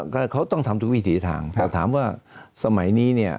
ก็เขาต้องทำทุกวิถีทางแต่ถามว่าสมัยนี้เนี่ย